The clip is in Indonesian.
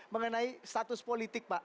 mengenai status politik pak